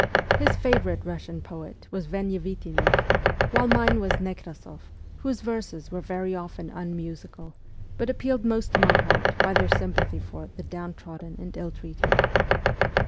His favourite Russian poet was Venevitinoff, while mine was Nekrasoff, whose verses were very often unmusical, but appealed most to my heart by their sympathy for ' the downtrodden and ill treated.'